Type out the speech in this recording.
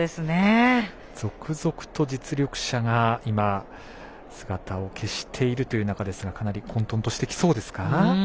続々と実力者が姿を消しているという中ですがかなり混沌としてきそうですか？